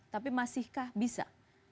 tapi masihkah bisa